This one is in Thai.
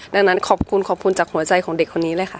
ดังนั้นขอบคุณขอบคุณจากหัวใจของเด็กคนนี้เลยค่ะ